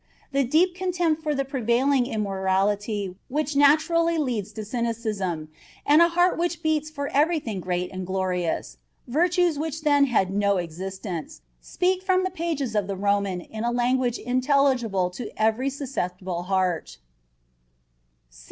The deep contempt for prevailing immorality which naturally leads to cynicism, and a heart which beats for everything great and glorious, virtues which then had no existence, speak from the pages of the Roman in a language intelligible to every susceptible heart."